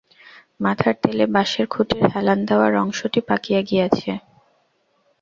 মাথার তেলে বাঁশের খুঁটির হেলান দেওয়ার অংশটি পাকিয়া গিয়াছে।